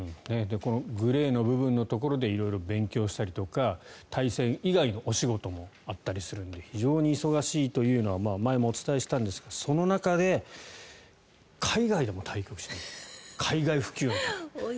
グレーの部分のところで色々勉強したりとか対戦以外のお仕事もあったりするので非常に忙しいというのは前もお伝えしたんですがその中で海外でも対局しなきゃいけない。